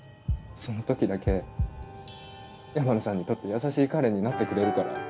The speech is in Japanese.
その時だけ山野さんにとって優しい彼になってくれるから。